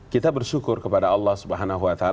kita bersyukur kepada allah swt